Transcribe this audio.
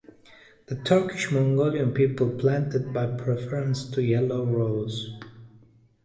The Turkish-Mongolian people planted by preference the yellow rose.